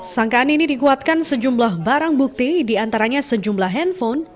sangkaan ini dikuatkan sejumlah barang bukti diantaranya sejumlah handphone